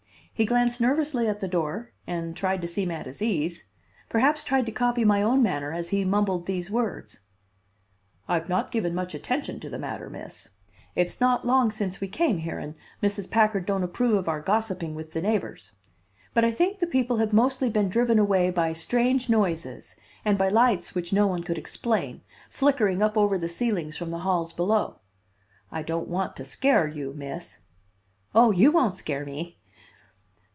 He glanced nervously at the door and tried to seem at his ease; perhaps tried to copy my own manner as he mumbled these words: "I've not given much attention to the matter, Miss. It's not long since we came here and Mrs. Packard don't approve of our gossiping with the neighbors. But I think the people have mostly been driven away by strange noises and by lights which no one could explain, flickering up over the ceilings from the halls below. I don't want to scare you, Miss " "Oh, you won't scare me."